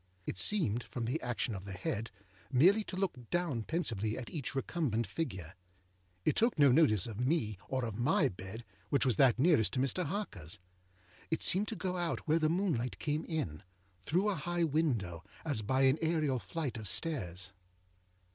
It seemed, from the action of the head, merely to look down pensively at each recumbent figure. It took no notice of me, or of my bed, which was that nearest to Mr. Harkerâs. It seemed to go out where the moonlight came in, through a high window, as by an aërial flight of stairs.